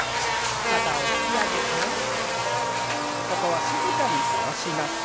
肩を引き上げてここは静かに下ろします。